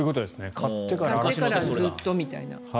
買ってからずっとみたいな。